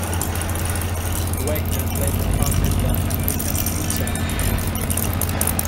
Wagner later founded the "American Bee Journal".